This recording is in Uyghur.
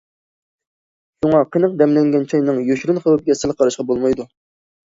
شۇڭا قېنىق دەملەنگەن چاينىڭ يوشۇرۇن خەۋپىگە سەل قاراشقا بولمايدۇ.